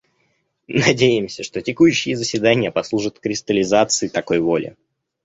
Надеемся, что текущие заседания послужат кристаллизации такой воли.